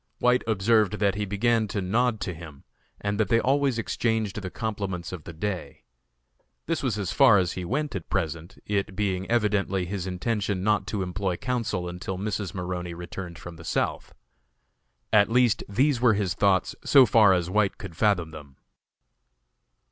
White observed that he began to nod to him, and that they always exchanged the compliments of the day. This was as far as he went at present, it being evidently his intention not to employ counsel until Mrs. Maroney returned from the South. At least these were his thoughts so far as White could fathom them.